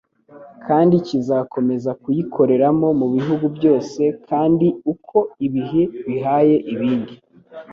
kandi kizakomeza kuyikoreramo mu bihugu byose kandi uko ibihe bihaye ibindi.